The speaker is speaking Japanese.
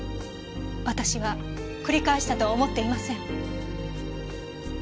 私は繰り返したとは思っていません。